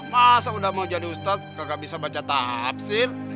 masa udah mau jadi ustadz kakak bisa baca tafsir